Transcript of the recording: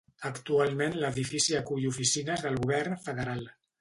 Actualment l'edifici acull oficines del govern federal.